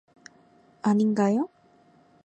아닌가요?